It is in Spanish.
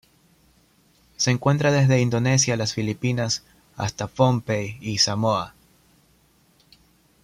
Se encuentra desde Indonesia las Filipinas hasta Pohnpei y Samoa.